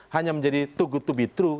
hanya menjadi to be true